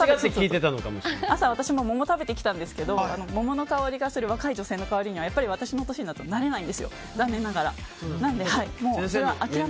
朝、私も桃食べてきたんですけど桃の香りがする若い女性の香りには私の年になるとなれないんですよ。